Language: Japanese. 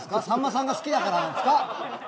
さんまさんが好きだからですか？